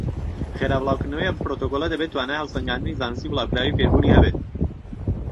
خێرا بڵاوکردنەوەی ئەم پڕۆتۆکۆڵە دەبێت توانای هەڵسەنگاندنی زانستی و بڵاوکراوەی فێربوونی هەبێت.